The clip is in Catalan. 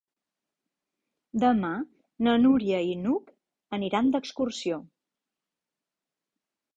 Demà na Núria i n'Hug aniran d'excursió.